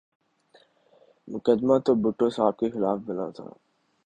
مقدمہ تو بھٹو صاحب کے خلاف بنا تھا۔